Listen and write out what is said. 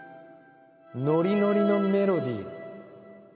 ノリノリのメロディー。